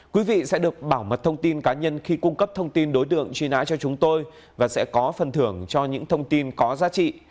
quý vị sẽ được bảo mật thông tin cá nhân khi cung cấp thông tin đối tượng truy nã cho chúng tôi và sẽ có phần thưởng cho những thông tin có giá trị